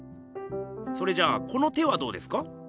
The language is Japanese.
それじゃこの手はどうですか？